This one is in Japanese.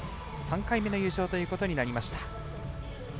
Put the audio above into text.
３回目の優勝ということになりました。